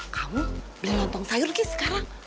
kamu beli lontong sayur ki sekarang